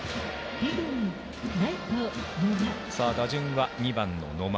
打順は２番の野間。